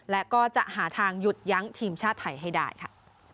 และก็จะหาทางหยุดยั้งทีมชาติไทยให้ได้ค่ะ